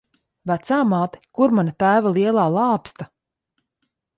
Vecāmāte, kur mana tēva lielā lāpsta?